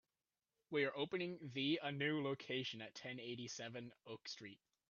We are opening the a new location at ten eighty-seven Oak Street.